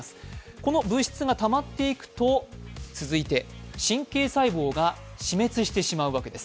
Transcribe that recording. この物質がたまっていくと神経細胞が死滅してしまうわけです。